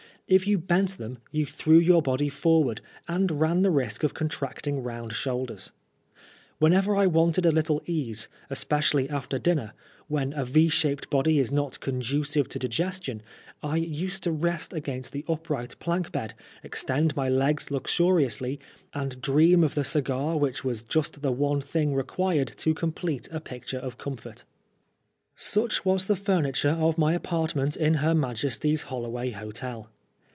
If you bent them you threw your body forward, and ran the risk of contracting round shoulders. Whenever I wanted a little ease, especially after dinner, when a V shaped body is not conducive to digestion, I used to rest against the upright plank bed, extend my legs luxuri ously, and dream of the cigar which was just the one thing required to complete a picture of comfort. 126 PBISOKEB FOB BLASPHmiT Such was the f amiture of my apartment in Her Majesty's Holloway Hotel.